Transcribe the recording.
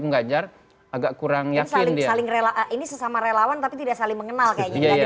ini sesama relawan tapi tidak saling mengenal kayaknya